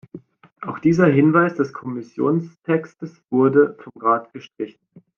Auch dieser Hinweis des Kommissionstextes wurde vom Rat gestrichen.